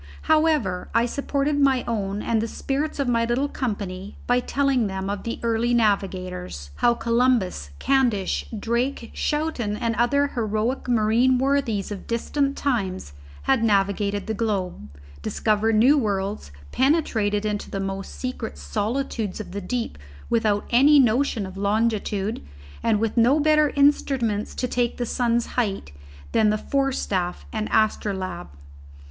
However, I supported my own and the spirits of my little company by telling them of the early navigators; how Columbus, Candish, Drake, Schouten and other heroic marine worthies of distant times had navigated the globe, discovered new worlds, penetrated into the most secret solitudes of the deep without any notion of longitude and with no better instruments to take the sun's height than the forestaff and astrolabe.